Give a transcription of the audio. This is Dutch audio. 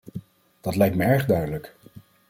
Dat lijkt me erg duidelijk.